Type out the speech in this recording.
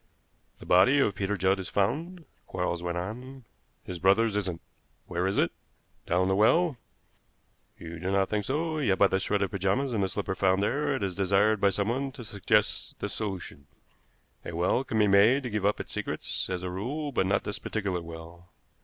"The body of Peter Judd is found," Quarles went on, "his brother's isn't. Where is it? Down the well? You do not think so, yet by the shred of pajamas and the slipper found there it is desired by someone to suggest this solution. A well can be made to give up its secrets, as a rule, but not this particular well.